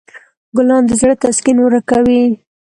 ګلان د زړه تسکین ورکوي.